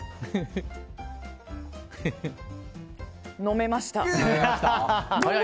飲めました。